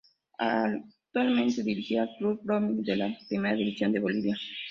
Actualmente dirige al Club Blooming de la Primera División de Bolivia.